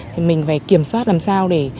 thì mình phải kiểm soát làm sao để